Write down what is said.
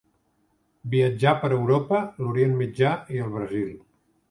Viatjà per Europa, l'Orient Mitjà i el Brasil.